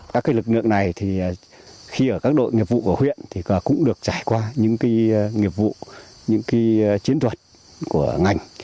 các cái lực lượng này thì khi ở các đội nghiệp vụ của huyện thì cũng được trải qua những cái nghiệp vụ những cái chiến thuật của ngành